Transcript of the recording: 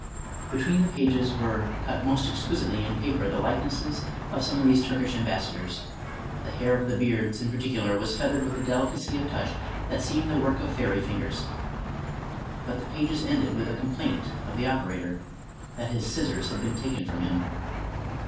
Between the pages were cut most exquisitely in paper the likenesses of some of these Turkish ambassadors; the hair of the beards, in particular, was feathered with a deli cacy of touch that seemed the work of fairy fingers, — ^but the pages ended with a complaint of the operator, that his scissors had been taken from him.